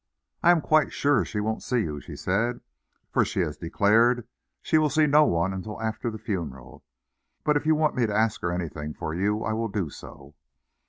"I'm quite sure she won't see you," she said, "for she has declared she will see no one until after the funeral. But if you want me to ask her anything for you, I will do so."